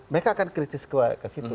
mereka akan kritis ke situ